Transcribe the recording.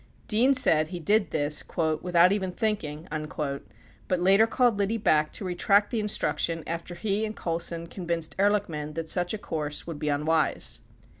Dean said he did this "without even thinking," but later called Liddy back to retract the instruction after he and Colson convinced Ehrlichman that such a course would be unwise.